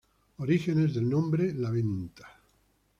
Orígenes del nombre la venta.